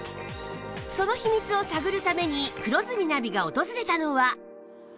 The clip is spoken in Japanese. その秘密を探るために黒住ナビが訪れたのは